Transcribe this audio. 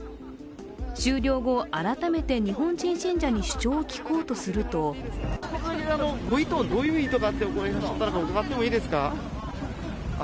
終了後、改めて日本人信者に主張を聞こうとするとどういう意味があるのか伺ってもいいですか？